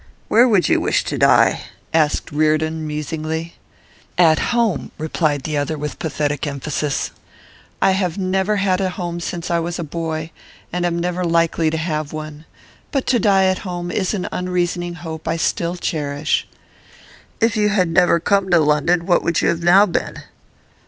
'Where would you wish to die?' asked Reardon, musingly. 'At home,' replied the other, with pathetic emphasis. 'I have never had a home since I was a boy, and am never likely to have one. But to die at home is an unreasoning hope I still cherish.' 'If you had never come to London, what would you have now been?